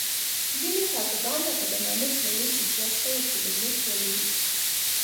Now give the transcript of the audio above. ځینې ټاپوګان لکه مانوس له وچې دوه سوه کیلومتره لري.